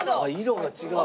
色が違う。